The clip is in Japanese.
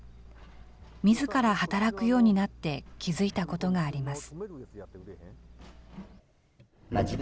みずから働くようになって気付いたことがあります。